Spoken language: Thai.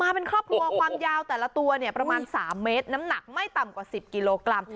เราแต่ละตัวเนี่ยประมาณ๓เมตรน้ำหนักไม่ต่ำกว่า๑๐กิโลกรัม